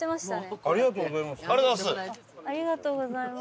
ありがとうございます。